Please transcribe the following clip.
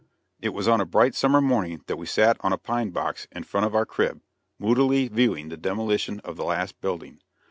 It was on a bright summer morning that we sat on a pine box in front of our crib, moodily viewing the demolition of the last building.